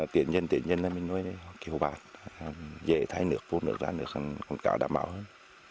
tiện nhân tiện nhân mình nuôi kiểu bạc dễ thay nước phun nước ra nước còn cả đảm bảo hơn